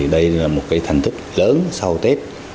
đây là một thanh thức lớn sau tết